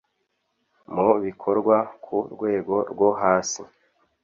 mu bikorwa ku rwego rwo hasi